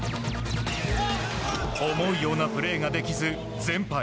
思うようなプレーができず全敗。